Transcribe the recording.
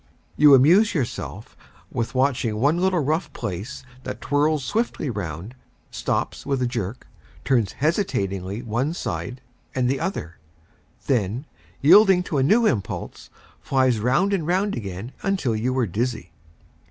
You amuse yourself with watching one little rough place that whirls swiftly round, stops with a jerk, turns hesitatingly one side and the other, then, yielding to a new impulse, flies round and round again till you are dizzy.